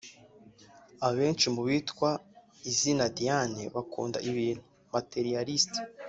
Abenshi mu bitwa izina Diane bakunda ibintu (materialists)